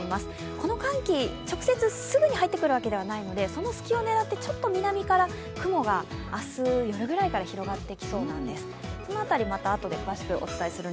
この寒気、直接すぐに入ってくるわけではないので、その隙を狙って南から雲が明日から広がってきそうなんです。